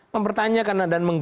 mempertanyakan dan menggembangkan